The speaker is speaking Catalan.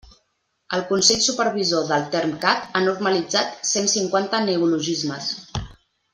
El Consell Supervisor del Termcat ha normalitzat cent cinquanta neologismes.